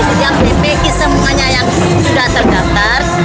setiap di package semuanya yang sudah terdaftar